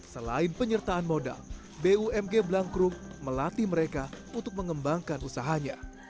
selain penyertaan modal bumg blangkrum melatih mereka untuk mengembangkan usahanya